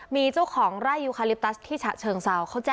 มีเจ้าของไร่ยูคาลิปตั๊ชที่เช้าเดี่ยงตำตรวจ